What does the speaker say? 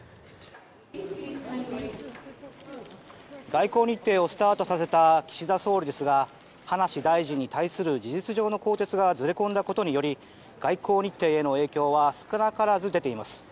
外交日程をスタートさせた岸田総理ですが葉梨大臣に対する事実上の更迭がずれ込んだことにより外交日程への影響は少なからず出ています。